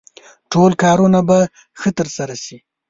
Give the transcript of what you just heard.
ټول کارونه به ښه ترسره شي.